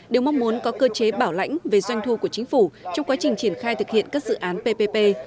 đều mong muốn có cơ chế bảo lãnh về doanh thu của chính phủ trong quá trình triển khai thực hiện các dự án ppp